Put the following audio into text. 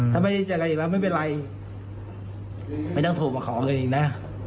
ถ้าไม่ได้เจออะไรอีกแล้วไม่เป็นไรไม่ต้องโทรมาขอเงินอีกนะ